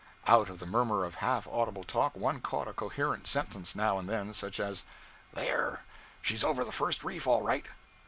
Out of the murmur of half audible talk, one caught a coherent sentence now and then such as 'There; she's over the first reef all right!'